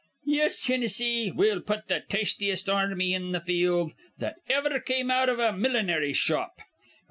"Yis, Hinnissy, we'll put th' tastiest ar rmy in th' field that iver come out iv a millinery shop.